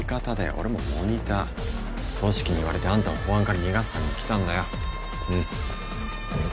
俺もモニター組織に言われてあんたを公安から逃がすために来たんだようんうん？